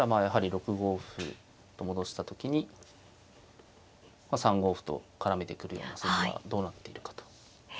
やはり６五歩と戻した時に３五歩と絡めてくるような筋はどうなっているかと。